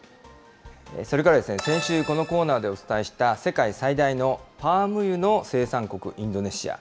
それから先週、このコーナーでお伝えした世界最大のパーム油の生産国、インドネシア。